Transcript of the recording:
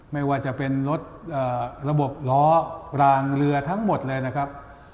ไม่ว่าจะเป็นรถระบบล้อรางเรือทั้งหมดเลยนะครับ